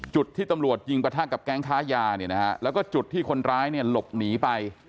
จุดที่ตำรวจยิงประทักกับแก๊งค้ายาแล้วก็จุดที่คนร้ายหลบหนีไป